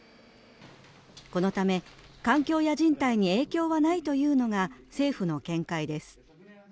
このため、環境や人体に影響はないというのが政府の見解です。